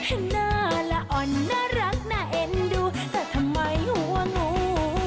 เห็นหน้าละอ่อนน่ารักน่าเอ็นดูแต่ทำไมหัวงู